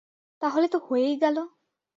তাহলে তো হয়েই গেল।